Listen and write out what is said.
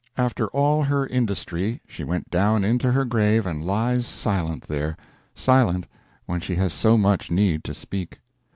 After all her industry she went down into her grave and lies silent there silent, when she has so much need to speak.